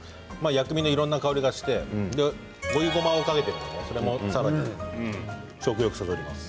薬味のいろんな香りがして追いごまをかけているのでそれもさらに食欲そそります。